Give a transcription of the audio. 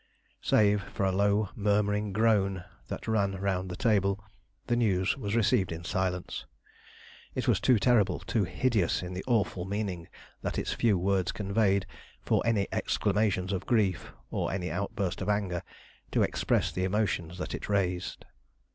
Save for a low, murmuring groan that ran round the table, the news was received in silence. It was too terrible, too hideous in the awful meaning that its few words conveyed, for any exclamations of grief, or any outburst of anger, to express the emotions that it raised.